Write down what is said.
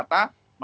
masyarakat di sana